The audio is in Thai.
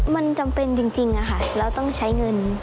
มันจำเป็นจริงค่ะเราต้องใช้เงิน